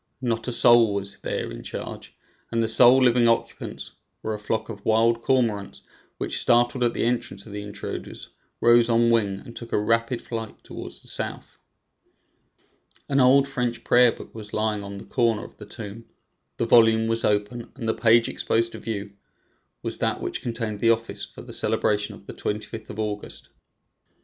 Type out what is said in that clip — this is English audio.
Not a soul was there in charge, and the sole living occupants were a flock of wild cormorants which, startled at the entrance of the intruders, rose on wing, and took a rapid flight towards the south. An old French prayer book was lying on the corner of the tomb; the volume was open, and the page exposed to view was that which contained the office for the celebration of the 25th of August.